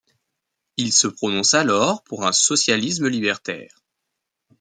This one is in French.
Il se prononce alors pour un socialisme libertaire.